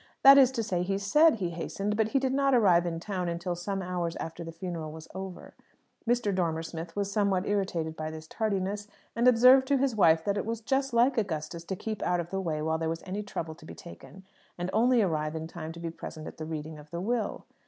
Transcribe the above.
That is to say, he said he hastened; but he did not arrive in town until some hours after the funeral was over. Mr. Dormer Smith was somewhat irritated by this tardiness, and observed to his wife that it was just like Augustus to keep out of the way while there was any trouble to be taken, and only arrive in time to be present at the reading of the will.